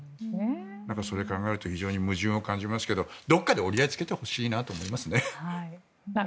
なんかそれを考えると非常に矛盾を感じますけどどこかで折り合いをつけてほしいですね。